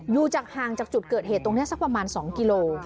อยู่จากห่างจากจุดเกิดเหตุตรงนี้สักประมาณ๒กิโล